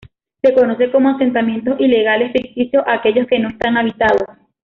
Se conoce como asentamientos ilegales ficticios a aquellos que no están habitados.